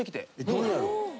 どれやろ？